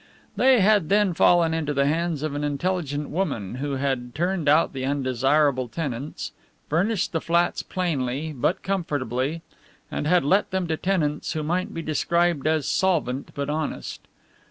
They had then fallen into the hands of an intelligent woman, who had turned out the undesirable tenants, furnished the flats plainly, but comfortably, and had let them to tenants who might be described as solvent, but honest.